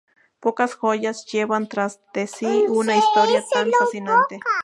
Pocas joyas llevan tras de sí una historia tan fascinante.